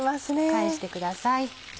返してください。